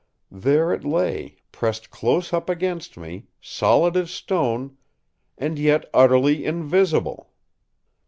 There it lay, pressed close up against me, solid as stone—and yet utterly invisible!